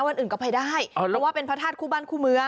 วันอื่นก็ไปได้เพราะว่าเป็นพระธาตุคู่บ้านคู่เมือง